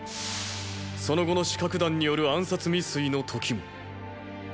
その後の刺客団による暗殺未遂の時も。